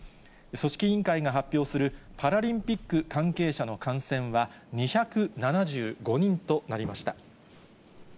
組織委員会が発表するパラリンピック関係者の感染は２７５人となりました。